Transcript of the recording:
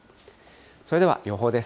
それでは予報です。